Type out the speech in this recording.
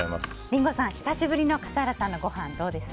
リンゴさん、久しぶりの笠原さんのごはん、どうです？